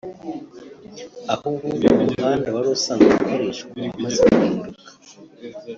aho ubu umuhanda wari usanzwe ukoreshwa wamaze guhinduka